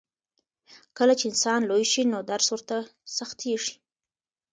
کله چې انسان لوی شي نو درس ورته سختېږي.